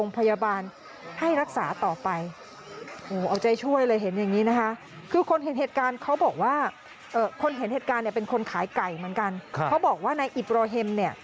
เป็นคนขายไก่เหมือนกันเขาบอกว่านายอิบราเหมนี่